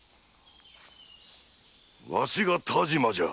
わしが但馬じゃ。